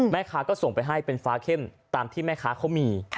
แม่ค้าก็ส่งไปให้เป็นฟ้าเข้มตามที่แม่ค้าเขามี